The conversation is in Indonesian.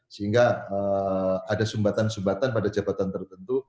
sehingga ada sumbatan sumbatan pada jabatan tertentu